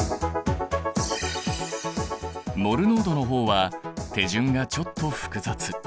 モル濃度の方は手順がちょっと複雑。